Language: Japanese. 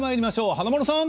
華丸さん！